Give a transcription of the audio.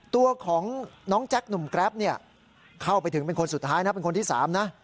ตัวของน้องแจ็คหนุ่มกรั๊ปเข้าไปถึงเป็นคนสุดท้ายเป็นคนที่สาม